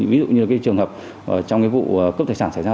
ví dụ như trường hợp trong vụ cướp tài sản xảy ra